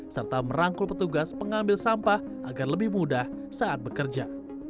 serta merangkul petugas pengambil sampah agar lebih mudah saat bekerja